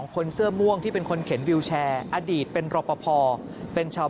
คนเสื้อม่วงที่เป็นคนเข็นวิวแชร์อดีตเป็นรอปภเป็นชาว